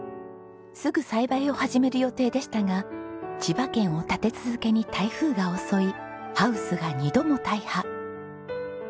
すぐ栽培を始める予定でしたが千葉県を立て続けに台風が襲いハウスが２度も大破。